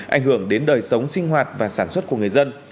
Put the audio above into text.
ảnh hưởng đến đời sống sinh hoạt và sản xuất của người dân